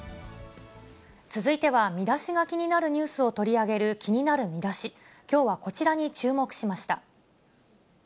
続いては、見出しが気になるニュースを取り上げる気になるミダシ、きょうはこちらに注目しました。